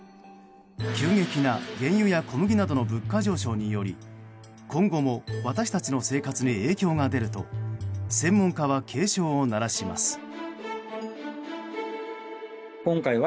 急激な原油や小麦などの物価上昇により今後も私たちの生活に影響が出ると専門家は警鐘を鳴らします。